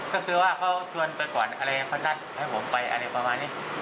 ก็คือว่าเขาชวนไปก่อนอะไรเขานัดให้ผมไปอะไรประมาณนี้